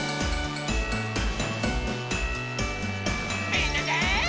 みんなで。